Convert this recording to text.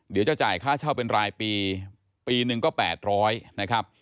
เดี๋ยวจะจ่ายค่าเช่าเป็นรายปีปีหนึ่งก็๘๐๐นะครับ